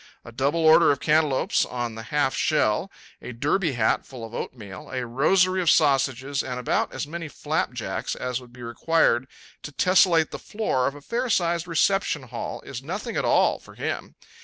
A double order of cantaloupes on the half shell, a derby hat full of oatmeal, a rosary of sausages, and about as many flapjacks as would be required to tessellate the floor of a fair sized reception hall is nothing at all for him.